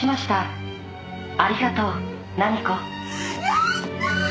やったー！